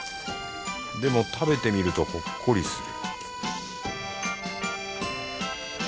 でも食べてみるとほっこりする